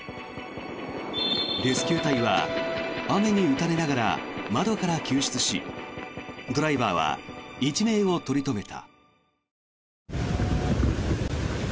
レスキュー隊は雨に打たれながら窓から救出しドライバーは一命を取り留めた。